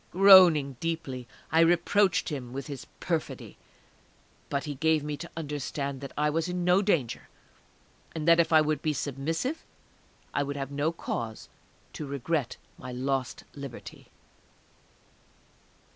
Groaning deeply, I reproached him with his perfidy; but he gave me to understand that I was in no danger, and that if I would be submissive I would have no cause to regret my lost liberty.